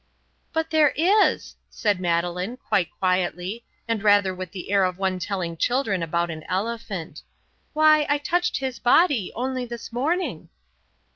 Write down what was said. "But there is," said Madeleine, quite quietly, and rather with the air of one telling children about an elephant. "Why, I touched His body only this morning."